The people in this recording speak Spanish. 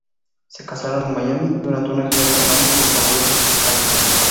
Se casaron en Miami, durante una gira de la banda Los Fabulosos Cadillacs.